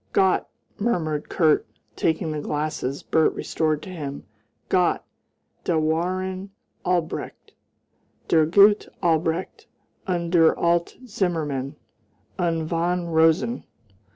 "Gott!" murmured Kurt, taking the glasses Bert restored to him "Gott! Da waren Albrecht der gute Albrecht und der alte Zimmermann und von Rosen!"